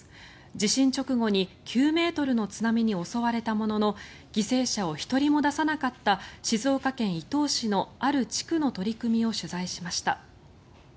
地震直後に９ｍの津波に襲われたものの犠牲者を１人も出さなかった静岡県伊東市のある地区の取り組みを取材しました。。